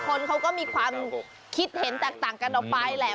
คนเขาก็มีความคิดเห็นแตกต่างกันออกไปแหละ